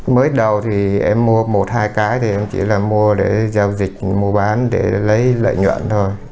mới đầu thì em mua một hai cái thì em chỉ là mua để giao dịch mua bán để lấy lợi nhuận thôi